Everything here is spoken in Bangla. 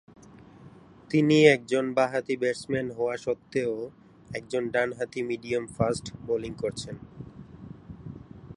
তিনি একজন বাঁহাতি ব্যাটসম্যান হওয়া সত্ত্বেও একজন ডানহাতি মিডিয়াম ফাস্ট বোলিং করেছেন।